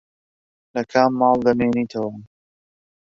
لە کام ماڵ دەمێنیتەوە؟